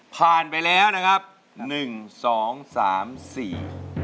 ผ่านไปแล้วนะครับหนึ่งสองสามสี่